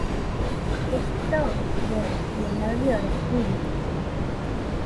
Esto les llenó de orgullo.